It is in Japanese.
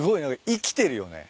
生きてるよね。